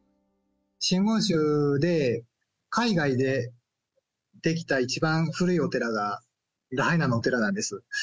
真言宗で、海外で出来た一番古いお寺が、ラハイナのお寺なんです。